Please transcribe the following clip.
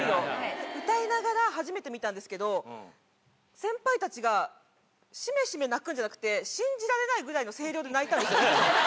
歌いながら初めて見たんですけど先輩たちがシメシメ泣くんじゃなくて信じられないぐらいの声量で泣いたんですよ。